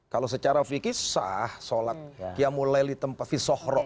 kalau secara fikir sholat qiyamul layl di tempat di sohro